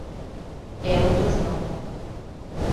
...e outros non.